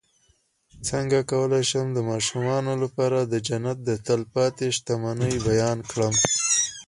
څنګه کولی شم د ماشومانو لپاره د جنت د تل پاتې شتمنۍ بیان کړم